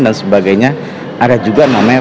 dan sebagainya ada juga namanya